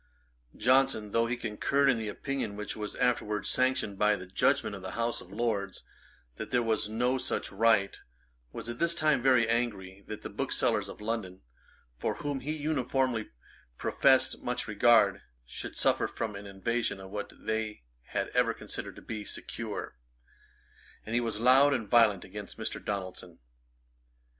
Johnson, though he concurred in the opinion which was afterwards sanctioned by a judgement of the House of Lords, that there was no such right, was at this time very angry that the Booksellers of London, for whom he uniformly professed much regard, should suffer from an invasion of what they had ever considered to be secure: and he was loud and violent against Mr. Donaldson.